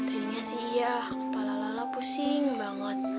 akhirnya sih iya kepala lala pusing banget